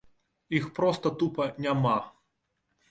Іх проста тупа няма.